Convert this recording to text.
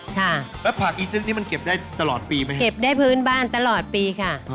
ค่ะแล้วผักอีซึกนี้มันเก็บได้ตลอดปีไหมครับเก็บได้พื้นบ้านตลอดปีค่ะ